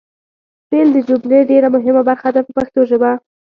فعل د جملې ډېره مهمه برخه ده په پښتو ژبه.